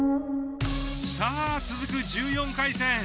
さあ続く１４回戦。